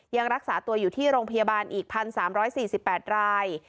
ยังรักษาตัวอยู่ที่โรงพยาบาลอีก๑๓๔๘ราย